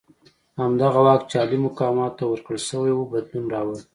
همدغه واک چې عالي مقامانو ته ورکړل شوی وو بدلون راوړ.